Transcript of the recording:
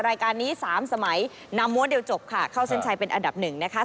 รายการนี้๓สมัยนำม้วนเดียวจบค่ะเข้าเส้นชัยเป็นอันดับหนึ่งนะคะ